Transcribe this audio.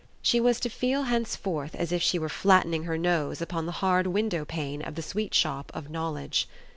She was to feel henceforth as if she were flattening her nose upon the hard window pane of the sweet shop of knowledge.